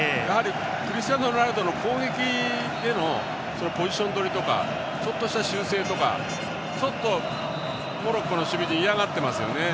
クリスチアーノ・ロナウドの攻撃へのポジションどりとかちょっとした修正とかちょっとモロッコの守備陣が嫌がってますよね